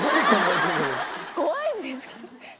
怖いんですけど。